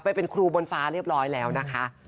ไปเป็นครูบนฟ้าเรียบร้อยแล้วนะคะ